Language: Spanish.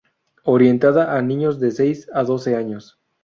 Orientada a niños de seis a doce años.